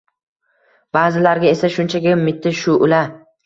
ba’zilarga esa shunchaki mitti shu’la